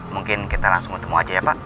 mungkin kita langsung ketemu aja ya pak